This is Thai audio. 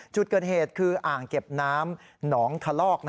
จุดเกิดเหตุคืออ่างเก็บน้ำหนองทะลอก